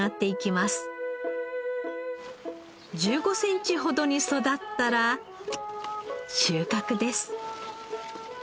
１５センチほどに育ったら収穫です。